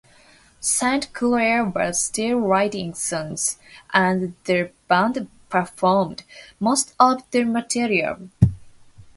Saint Clair was still writing songs and the band performed most of the material.